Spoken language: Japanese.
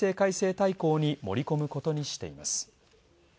大網に盛り込むことにしています。